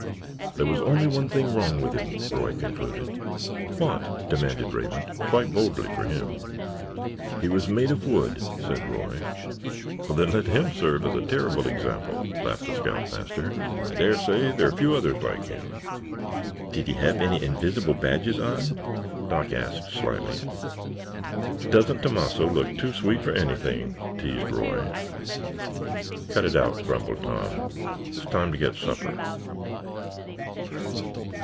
"There was only one thing wrong with him," Roy concluded. "What?" demanded Raymond, quite boldly for him. "He was made of wood," said Roy. "Well, then, let him serve as a terrible example," laughed the scoutmaster. "I dare say there are a few others like him." "Did he have any invisible badges on?" Doc asked slyly. "Doesn't Tomasso look too sweet for anything?" teased Roy. "Cut it out," grumbled Tom. "It's time to get supper."